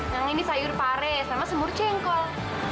yang ini sayur pare sama semur cengkol